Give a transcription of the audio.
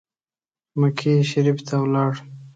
مکې شریفي ته ولاړ.